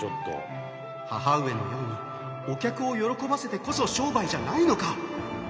母上のようにお客を喜ばせてこそ商売じゃないのか！？